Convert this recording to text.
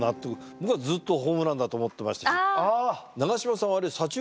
僕はずっとホームランだと思ってましたし。